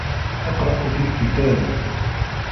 أَقْرَأُ فِي الْكِتَابِ.